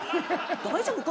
大丈夫か？